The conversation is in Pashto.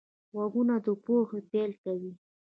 غوږونه د پوهې پیل کوي